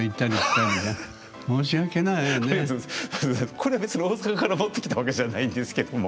これは別に大阪から持ってきたわけじゃないんですけども。